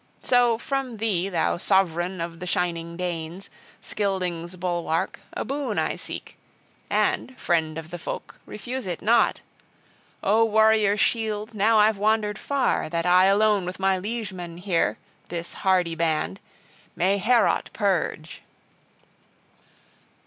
So, from thee, thou sovran of the Shining Danes, Scyldings' bulwark, a boon I seek, and, Friend of the folk, refuse it not, O Warriors' shield, now I've wandered far, that I alone with my liegemen here, this hardy band, may Heorot purge!